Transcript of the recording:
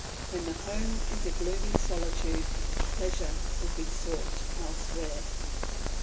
When the home is a gloomy solitude pleasure will be sought elsewhere.